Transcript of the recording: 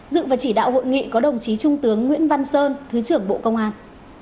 dự và chỉ đạo hội nghị có đồng chí trung tướng nguyễn văn sơn thứ trưởng bộ công an